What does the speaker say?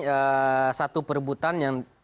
eh satu perebutan yang